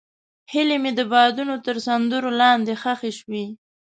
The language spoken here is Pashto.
هیلې مې د بادونو تر سندرو لاندې ښخې شوې.